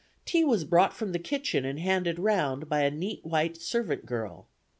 Tea was brought from the kitchen and handed round by a neat white servant girl.